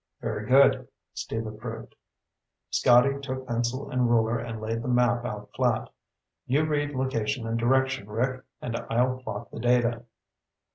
"Very good," Steve approved. Scotty took pencil and ruler and laid the map out flat. "You read location and direction, Rick, and I'll plot the data."